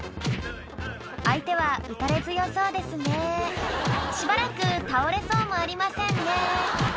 相手は打たれ強そうですねしばらく倒れそうもありませんね